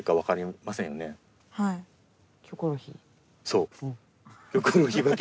そう。